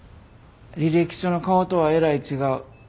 履歴書の顔とはえらい違う。